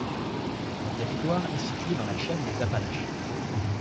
Son territoire est situé dans la chaîne des Appalaches.